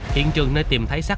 hiện trường nơi tìm thái sát